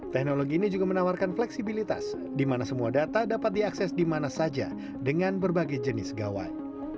teknologi ini juga menawarkan fleksibilitas di mana semua data dapat diakses di mana saja dengan berbagai jenis gawai